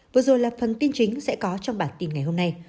vừa rồi là phần tin chính sẽ có trong bản tin ngày hôm nay